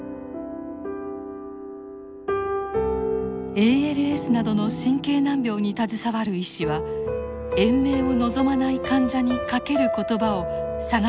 ＡＬＳなどの神経難病に携わる医師は延命を望まない患者にかける言葉を探し続けていました。